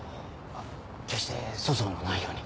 決して粗相のないように。